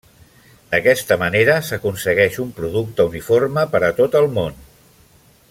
D'aquesta manera, s'aconsegueix un producte uniforme per a tot el món.